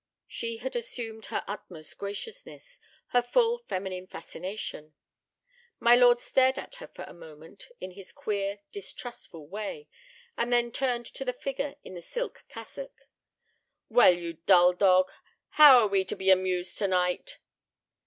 She had assumed her utmost graciousness, her full feminine fascination. My lord stared at her for a moment in his queer, distrustful way, and then turned to the figure in the silk cassock. "Well, you dull dog, how are we to be amused to night?"